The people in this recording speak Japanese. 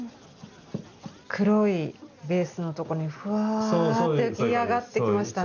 黒いベースの所にふわって浮き上がってきましたね。